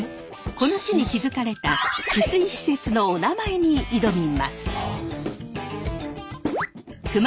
この地に築かれた治水施設のおなまえに挑みます。